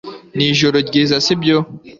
Ni ijoro ryiza sibyo